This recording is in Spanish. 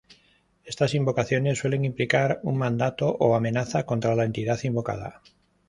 Estas invocaciones suelen implicar un mandato o amenaza contra la entidad invocada.